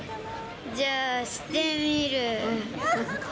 じゃあ、してみる。